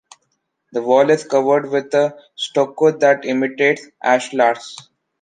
The wall is covered with a stucco that imitates ashlars.